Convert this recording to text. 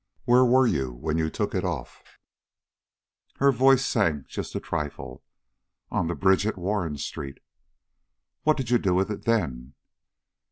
"Where were you when you took it off?" Her voice sank just a trifle: "On the bridge at Warren Street." "What did you do with it then?"